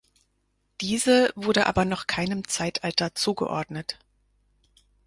Diese wurde aber noch keinem Zeitalter zugeordnet.